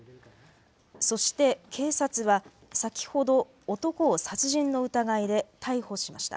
そして警察は先ほど男を殺人の疑いで逮捕しました。